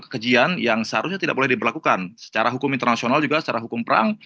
kajian yang seharusnya tidak boleh diberlakukan secara hukum internasional juga secara hukum perang